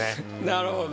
なるほど。